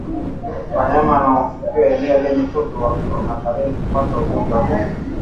Wanyama wanaofungiwa eneo lenye tope wako hatarini kupata ugonjwa huu